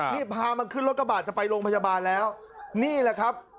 นี่พามันขึ้นรถกระบาดจะไปโรงพยาบาลแล้วนี่แหละครับ